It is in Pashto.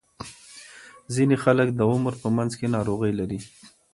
ځینې خلک د عمر په منځ کې ناروغۍ لري.